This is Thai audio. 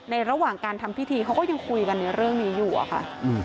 ระหว่างการทำพิธีเขาก็ยังคุยกันในเรื่องนี้อยู่อะค่ะ